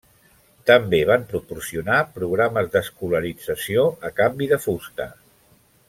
També van proporcionar programes d'escolarització a canvi de fusta.